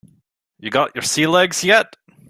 You got your sea legs yet?